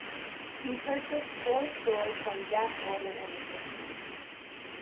He purchased four stores from Jack Goldin in the sixties.